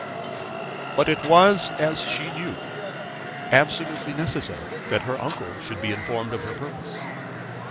But it was, as she knew, absolutely necessary that her uncle should be informed of her purpose.